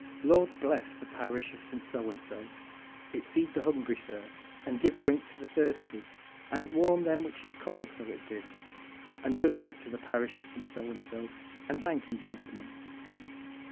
Lord bless the Parish of St. So and So! It feed the hungry, sir, and give drink to the thusty, and it warm them which is cold, so it do, and good luck to the parish of St. So and So, and thankee, gentleman!